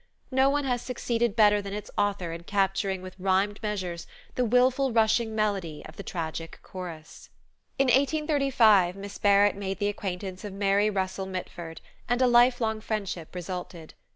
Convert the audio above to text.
No one has succeeded better than its author in capturing with rhymed measures the wilful rushing melody of the tragic chorus." In 1835 Miss Barrett made the acquaintance of Mary Russell Mitford, and a life long friendship resulted.